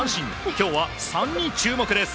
今日は３に注目です。